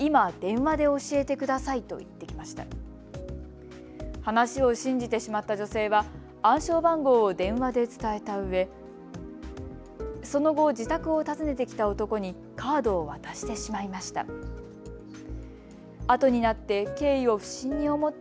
話を信じてしまった女性は暗証番号を電話で伝えたうえその後、自宅を訪ねてきた男にカードを渡してしまいました。